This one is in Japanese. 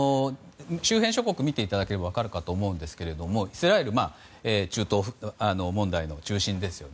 周辺諸国を見ていただければ分かりますがイスラエルは中東問題の中心です。